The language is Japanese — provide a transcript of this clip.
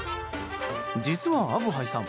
実はアブハイさん